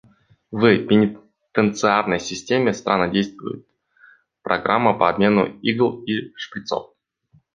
В пенитенциарной системе страны действует программа по обмену игл и шприцов.